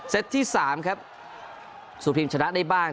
เซตที่๓สู่ทีมชนะได้บ้าง